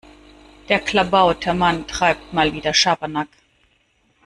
Der Klabautermann treibt mal wieder Schabernack.